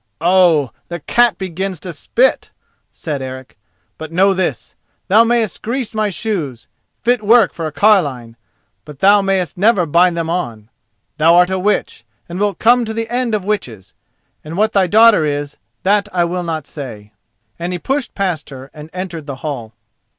"Oh! the cat begins to spit," said Eric. "But know this: thou mayest grease my shoes—fit work for a carline!—but thou mayest never bind them on. Thou art a witch, and wilt come to the end of witches; and what thy daughter is, that I will not say," and he pushed past her and entered the hall.